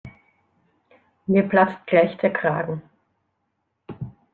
Mir platzt gleich der Kragen.